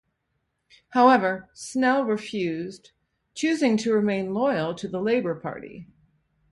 However, Snell refused, choosing to remain loyal to the Labour Party.